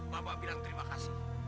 bape bilang terima kasih